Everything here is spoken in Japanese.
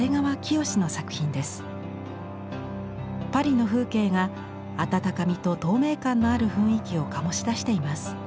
パリの風景が温かみと透明感のある雰囲気を醸し出しています。